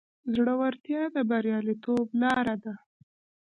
زړورتیا د بریالیتوب لاره ده.